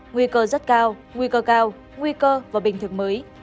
nguy cơ rất cao nguy cơ cao nguy cơ và bình thực mới